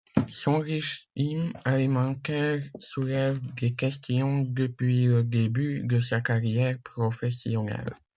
Son régime alimentaire soulève des questions depuis le début de sa carrière professionnelle.